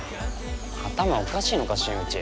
頭おかしいのか新内。